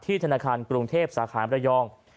ธนาคารกรุงเทพสาขามระยอง